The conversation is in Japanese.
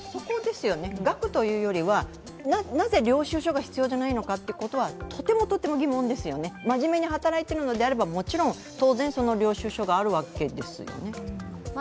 額というよりはなぜ領収書が必要じゃないのかというところはとてもとても疑問ですよね、真面目に働いているのであれば、もちろん、当然その領収書があるわけですよね？